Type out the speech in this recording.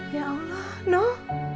ya allah noh